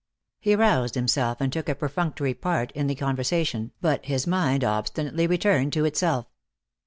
He roused himself and took a perfunctory part in the conversation, but his mind obstinately returned to itself.